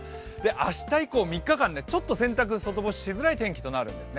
明日以降、３日間、ちょっと洗濯外干ししづらい天気になります。